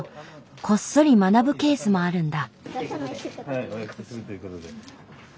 こっそり学ぶケースもあるんだ。